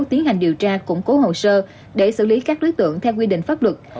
tiến hành điều tra củng cố hồ sơ để xử lý các đối tượng theo quy định pháp luật